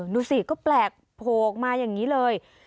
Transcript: ดูสิก็แปลกโผล่ออกมาอย่างนี้เลย